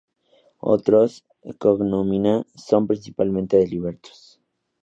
Otros "cognomina" son principalmente de libertos.